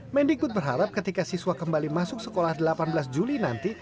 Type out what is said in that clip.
mendikbud berharap ketika siswa kembali masuk sekolah delapan belas juli nanti